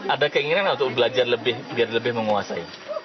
ada keinginan untuk belajar lebih biar lebih menguasai